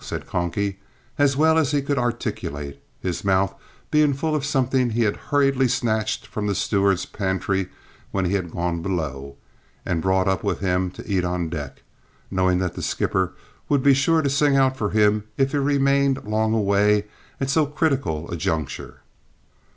said "Conky," as well as he could articulate, his mouth being full of something he had hurriedly snatched from the steward's pantry when he had gone below, and brought up with him to eat on deck, knowing that the skipper would be sure to sing out for him if he remained long away at so critical a juncture.